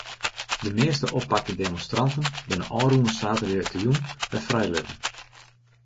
De measte oppakte demonstranten binne ôfrûne saterdeitejûn wer frijlitten.